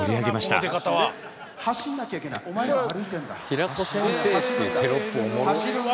「平子先生」っていうテロップおもろ。